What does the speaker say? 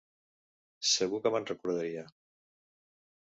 Segur que me'n recordaria.